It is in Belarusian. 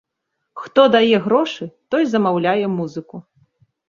Хто дае грошы, той замаўляе музыку.